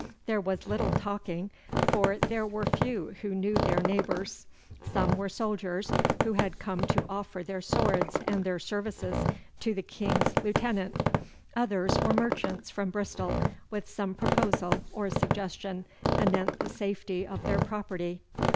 There was little talking, for there were few who knew their neighbours. Some were soldiers who had come to offer their swords and their services to the King's lieutenant; others were merchants from Bristol, with some proposal or suggestion anent the safety of their property.